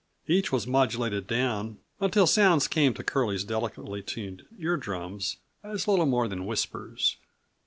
Each was modulated down until sounds came to Curlie's delicately tuned ear drums as little more than whispers.